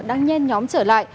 đang nhen nhóm trở lại